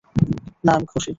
না, আমি খুশি!